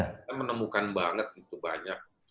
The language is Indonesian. kita menemukan banget itu banyak